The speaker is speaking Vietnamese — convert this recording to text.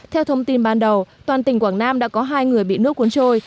theo thông tin ban đầu toàn tỉnh quảng nam đã có hai người bị nước cuốn trôi